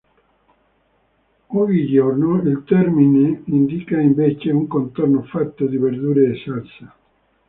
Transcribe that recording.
Oggigiorno il termine indica invece un "contorno fatto di verdure e salsa".